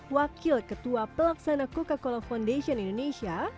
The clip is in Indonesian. wakil ketua pelaksana coca cola foundation indonesia